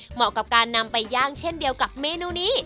เหมาะกับการนำไปย่างเช่นเดียวกับเมนูนี้